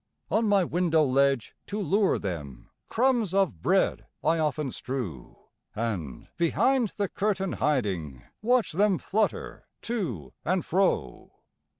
On my window ledge, to lure them, Crumbs of bread I often strew, And, behind the curtain hiding, Watch them flutter to and fro.